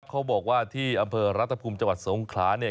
เขาบอกว่าที่อำเภอรัฐภูมิจังหวัดสงขลาเนี่ย